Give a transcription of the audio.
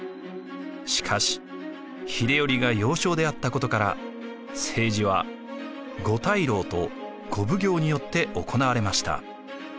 しかし秀頼が幼少であったことから政治は五大老と五奉行によって行われました。